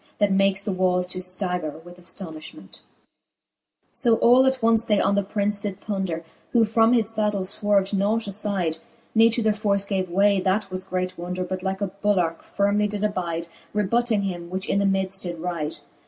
That makes the wals to ftagger with aftonilhment : XXXV. So all attonce they on the Prince did thonder ; Who from his faddle fwarved nought afyde,* Ne to their force gave way, that was great wonder, But like a bulwarke firmely did abyde, Rebutting him, which in the midft did ryde.